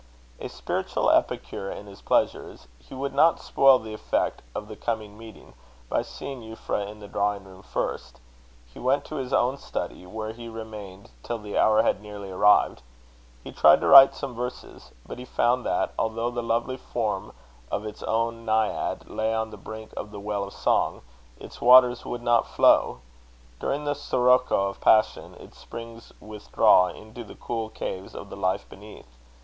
A spiritual epicure in his pleasures, he would not spoil the effect of the coming meeting, by seeing Euphra in the drawingroom first: he went to his own study, where he remained till the hour had nearly arrived. He tried to write some verses. But he found that, although the lovely form of its own Naiad lay on the brink of the Well of Song, its waters would not flow: during the sirocco of passion, its springs withdrew into the cool caves of the Life beneath.